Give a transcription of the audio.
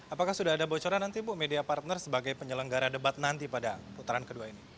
apakah sudah ada bocoran nanti bu media partner sebagai penyelenggara debat nanti pada putaran kedua ini